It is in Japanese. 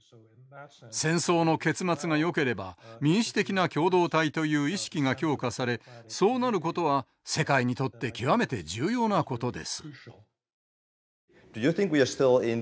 戦争の結末がよければ民主的な共同体という意識が強化されそうなることは世界にとって極めて重要なことです。